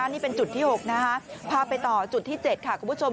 นี่เป็นจุดที่๖นะคะพาไปต่อจุดที่๗ค่ะคุณผู้ชม